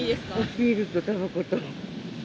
ビールとたばこと。